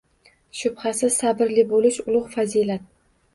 Shubhasiz, sabrli bo‘lish – ulug‘ fazilat